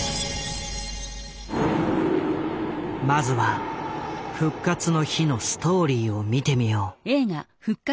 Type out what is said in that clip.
まずは「復活の日」のストーリーを見てみよう。